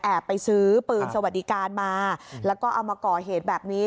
ไปซื้อปืนสวัสดิการมาแล้วก็เอามาก่อเหตุแบบนี้